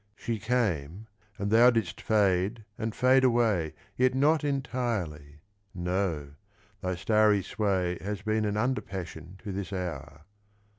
She came, and thou didst fade and fade away Yet not entirely ! no, thy starry sway Has been an under passion to this hour.